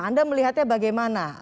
anda melihatnya bagaimana